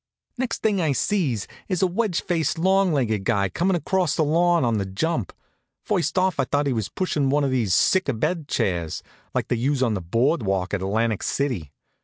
Next thing I sees is a wedge faced, long legged guy comin' across the lawn on the jump. First off I thought he was pushin' one of these sick abed chairs, like they use on the board walk at Atlantic City.